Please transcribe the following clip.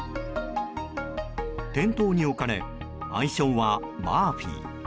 店頭に置かれ愛称はマーフィー。